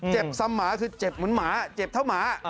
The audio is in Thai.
ซ้ำหมาคือเจ็บเหมือนหมาเจ็บเท่าหมา